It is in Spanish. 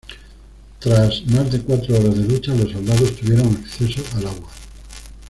Tras más de cuatro horas de lucha, los soldados tuvieron acceso al agua.